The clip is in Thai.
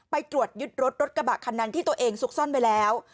ไปตรวจยึดรถรถกระบะคันนั้นที่ตัวเองซุกซ่อนไว้แล้ว